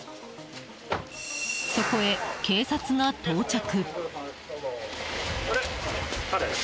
そこへ警察が到着。